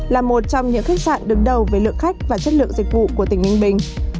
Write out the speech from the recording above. là một trong những khách sạn đứng đầu với lượng khách và chất lượng dịch vụ của tỉnh ninh bình